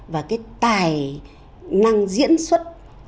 và cái tài năng diễn xuất